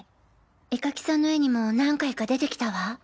絵描きさんの絵にも何回か出てきたわ。